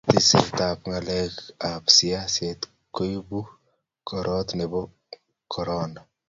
tisap, ngalekab siaset koibu korot nebo corona